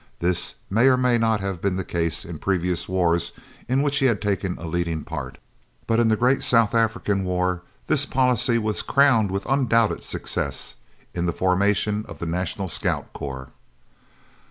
This may or may not have been the case in previous wars in which he had taken a leading part, but in the great South African war this policy was crowned with undoubted success, in the formation of the National Scouts Corps.